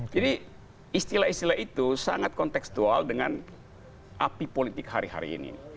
jadi istilah istilah itu sangat konteksual dengan api politik hari hari ini